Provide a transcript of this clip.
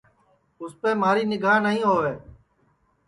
اُسپے مہاری نیگھا نائی ہووے